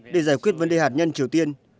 để giải quyết vấn đề hạt nhân triều tiên